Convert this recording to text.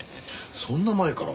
そんな前から？